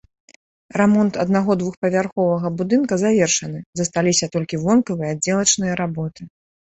Рамонт аднаго двухпавярховага будынка завершаны, засталіся толькі вонкавыя аддзелачныя работы.